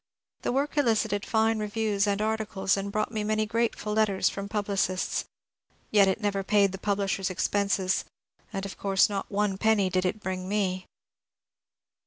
The work elicited fine re views and articles and brought me many grateful letters from publicists, yet it never paid the publi^ers' expenses, and of course not one penny did it bring me.